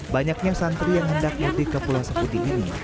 banyaknya santri yang hendak mudik ke pulau seputi ini